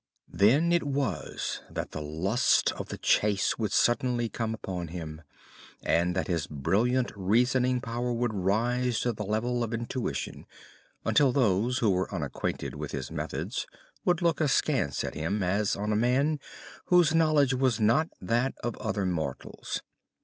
Then it was that the lust of the chase would suddenly come upon him, and that his brilliant reasoning power would rise to the level of intuition, until those who were unacquainted with his methods would look askance at him as on a man whose knowledge was not that of other mortals.